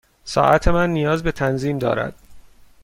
ساعت من نیاز به تنظیم دارد.